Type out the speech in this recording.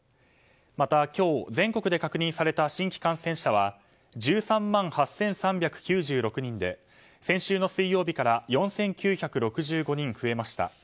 また今日、全国で確認された新規感染者は１３万８３９６人で先週の水曜日から４９６５人増えました。